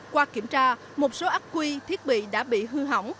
qua kiểm tra một số ác quy thiết bị đã bị hư hỏng